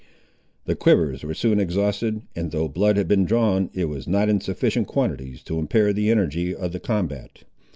The quivers were soon exhausted; and though blood had been drawn, it was not in sufficient quantities to impair the energy of the combat.